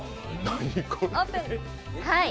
オープン！